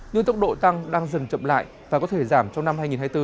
nhưng tốc độ tăng đang dần chậm lại và có thể giảm trong năm hai nghìn hai mươi bốn